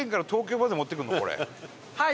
はい。